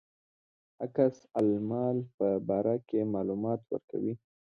عکس العمل په باره کې معلومات ورکړي.